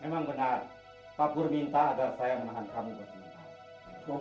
memang benar pak pur minta agar saya menahan kamu pak sinta